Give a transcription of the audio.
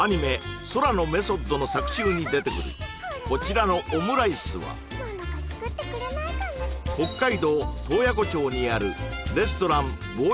「天体のメソッド」の作中に出てくるこちらのオムライスは北海道洞爺湖町にあるレストラン望